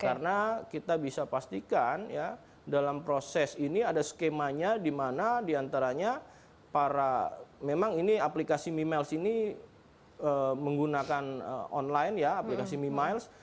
karena kita bisa pastikan ya dalam proses ini ada skemanya di mana diantaranya para memang ini aplikasi memiles ini menggunakan online ya aplikasi memiles